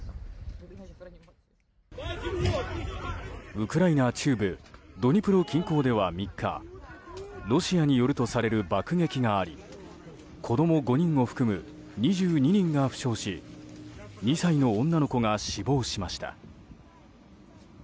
ウクライナ中部ドニプロ近郊では３日ロシアによるとされる爆撃があり子供５人を含む２２人が負傷し２歳の女の子が死亡しました。